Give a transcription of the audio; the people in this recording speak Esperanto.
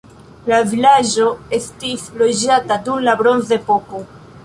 La vilaĝo estis loĝata dum la bronzepoko.